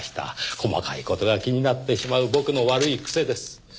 細かい事が気になってしまう僕の悪い癖です。